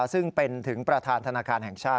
ซึ่งเป็นถึงประธานธนาคารแห่งชาติ